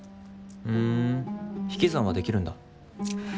ふん引き算はできるんだ。